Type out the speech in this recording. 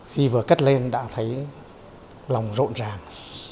khi vừa cất lên đã thấy lòng rộn ràng